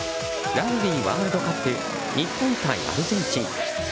ラグビーワールドカップ日本対アルゼンチン。